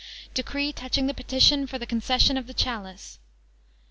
DECREE TOUCHING THE PETITION FOR THE CONCESSION OF THE CHALICE.